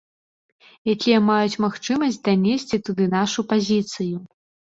Якія маюць магчымасць данесці туды нашу пазіцыю.